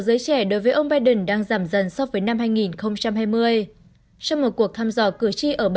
chính quyền đối với ông biden đang giảm dần so với năm hai nghìn hai mươi trong một cuộc thăm dò cử tri ở bảy